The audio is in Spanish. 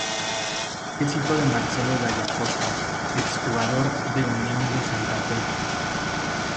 Es hijo de Marcelo Dalla Costa, ex jugador de Unión de Santa Fe.